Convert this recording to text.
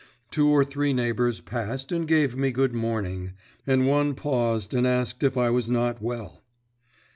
Two or three neighbours passed and gave me good morning, and one paused and asked if I was not well.